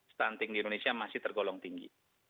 stunting di indonesia masih tergolong tinggi